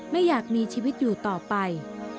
ไม่อยากมีชีวิตอยู่ต่อไป